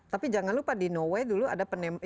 ya iya tapi jangan lupa di norway dulu ada penemuan